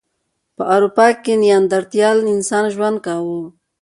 په اروپا کې نیاندرتال انسان ژوند کاوه.